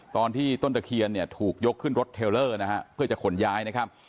ตอนที่ต้นตะเคียนถูกยกขึ้นรถเทลเลอร์เพื่อจะขนย้าย